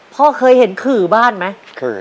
พ่อเคยเห็นขื่อบ้านไหมเคย